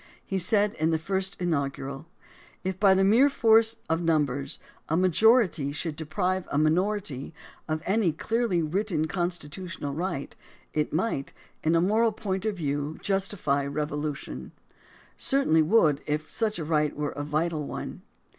He said in the first inaugural : If by the mere force of numbers a majority should deprive a minority of any clearly written constitutional right, it might, in a moral point of view, justify revolution — certainly would if such a right were a vital one.